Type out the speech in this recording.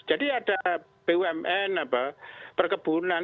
jadi ada bumn perkebunan